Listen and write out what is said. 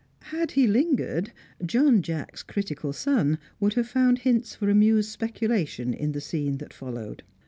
Had he lingered, John Jacks' critical son would have found hints for amused speculation in the scene that followed.